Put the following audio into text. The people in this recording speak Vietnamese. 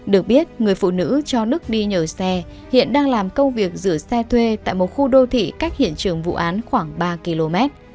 được biết người phụ nữ cho đức đi nhờ xe hiện đang làm công việc rửa xe thuê tại một khu đô thị cách hiện trường vụ án khoảng ba km